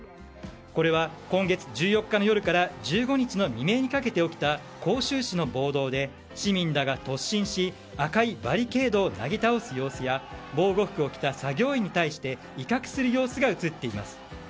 これは、今月１４日の夜から１５日の未明にかけて起きた広州市の暴動で、市民らが突進し赤いバリケードをなぎ倒す様子や防護服を着た作業員に対して威嚇する様子が映っています。